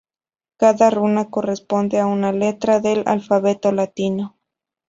Cada runa corresponde a una letra del alfabeto latino.